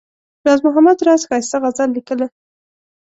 راز محمد راز ښایسته غزل لیکله.